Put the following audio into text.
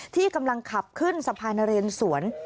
ที่กำลังขับขึ้นสะพานนเรนสวน